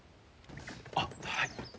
あっはい。